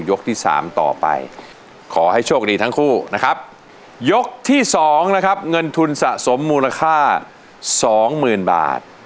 ยกที่๒นะครับเงินทุนสะสมมูลค่า๒๐๐๐๐บาท